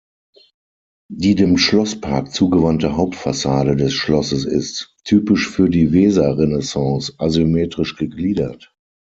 Die dem Schlosspark zugewandte Hauptfassade des Schlosses ist, typisch für die Weserrenaissance, asymmetrisch gegliedert.